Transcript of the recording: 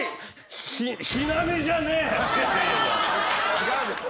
違うでしょ。